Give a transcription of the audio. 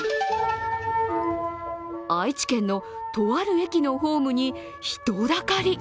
愛知県のとある駅のホームに人だかり。